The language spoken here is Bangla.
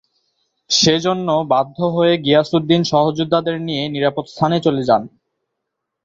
সে জন্য বাধ্য হয়ে গিয়াসউদ্দিন সহযোদ্ধাদের নিয়ে নিরাপদ স্থানে চলে যান।